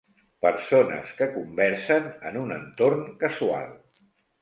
Persones que conversen en un entorn casual.